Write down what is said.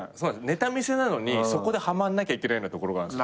ネタ見せなのにそこではまんなきゃいけないようなところがあって。